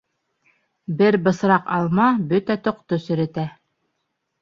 Бер бысраҡ алма бөтә тоҡто серетә.